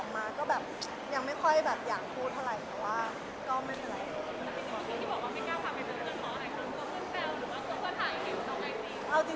ไม่ค่อยอยากพูดเท่าไหร่แต่ว่าก็ไม่เป็นไร